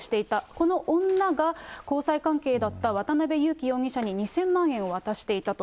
この女が、交際関係だった渡辺優樹容疑者に２０００万円を渡していたと。